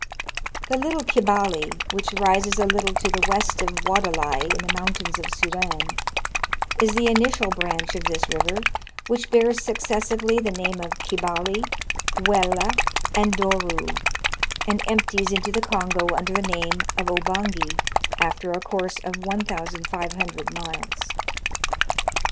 The Little Kibali, which rises a little to the west of Wadelai in the mountains of Sudan, is the initial branch of this river, which bears successively the name of " Kibali "" Welle " and " Doru," and empties into the Kongo under the name of " Obangi," after a course of 1,500 miles.